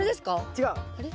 違う。